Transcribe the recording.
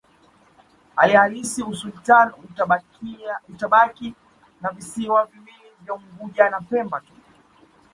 Hali halisi usultani ukabaki na visiwa viwili vya Unguja na Pemba tu